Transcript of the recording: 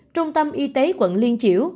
trung tâm y tế quận liên chiểu